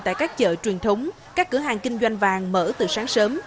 tại các chợ truyền thống các cửa hàng kinh doanh vàng mở từ sáng sớm